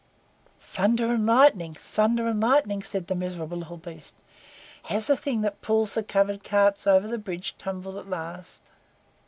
"Thunder and lightning! Lightning and thunder!" said that miserable little beast. "Has the thing that pulls the covered carts over the bridge tumbled at last?"